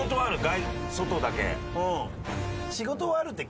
外だけ。